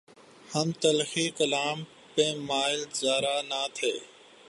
ہم تلخیِ کلام پہ مائل ذرا نہ تھے